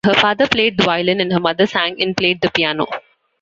Her father played the violin and her mother sang and played the piano.